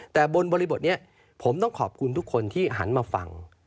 แต่บนบริบทนี้ผมต้องขอบคุณทุกคนที่หันมาฟัง